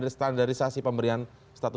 standarisasi pemberian status